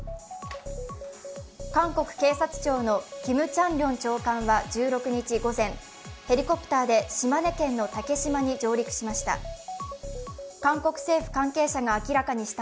韓国警察庁のキム・チャンリョン長官は１６日午前、ヘリコプターで島根県の竹島に上陸しました。